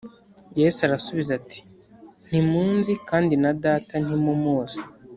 Yesu arabasubiza ati ntimunzi kandi na Data ntimumuzi